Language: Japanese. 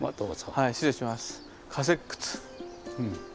はい失礼します。